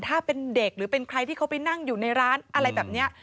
ถ้าเป็นเด็กหรือเป็นใครที่เขาไปนั่งอยู่ในร้านอะไรแบบนี้